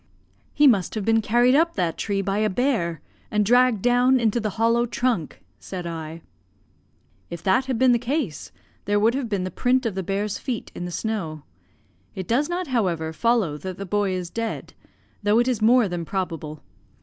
"He must have been carried up that tree by a bear, and dragged down into the hollow trunk," said I. "If that had been the case, there would have been the print of the bear's feet in the snow. It does not, however, follow that the boy is dead, though it is more than probable.